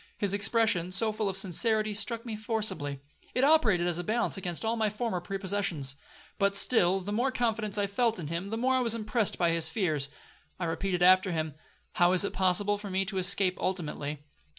This expression, so full of sincerity, struck me forcibly. It operated as a balance against all my former prepossessions. But still the more confidence I felt in him, the more I was impressed by his fears. I repeated after him, 'How is it possible for me to escape ultimately?